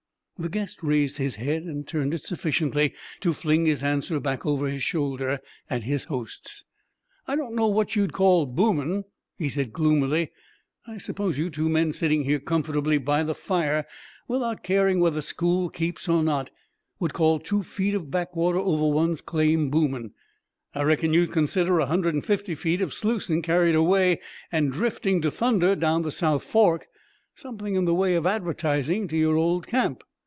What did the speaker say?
The guest raised his head and turned it sufficiently to fling his answer back over his shoulder at his hosts. "I don't know what you'd call 'boomin','" he said gloomily; "I suppose you two men sitting here comfortably by the fire, without caring whether school keeps or not, would call two feet of backwater over one's claim 'boomin';' I reckon you'd consider a hundred and fifty feet of sluicing carried away, and drifting to thunder down the South Fork, something in the way of advertising to your old camp!